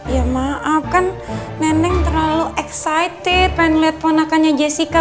ya maaf kan neneng terlalu excited pengen lihat ponakannya jessica